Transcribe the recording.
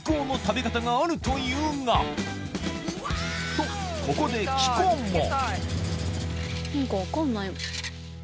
とここで希子も何か分かんない。